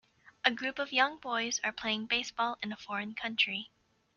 A group of young boys are playing baseball in a foreign country